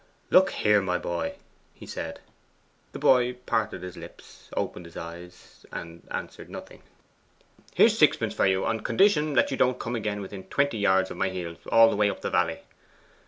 'Look here, my boy,' he said. The boy parted his lips, opened his eyes, and answered nothing. 'Here's sixpence for you, on condition that you don't again come within twenty yards of my heels, all the way up the valley.